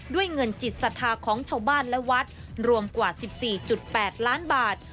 ด้วยเงินจิตศรัทธาของชาวบ้านและวัดรวมกว่า๑๔๘ล้านบาท